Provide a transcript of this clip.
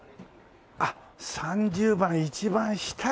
あっ３０番一番下か。